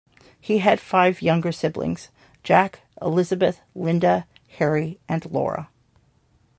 He had five younger siblings; Jack, Elizabeth, Linda, Harry, and Laura.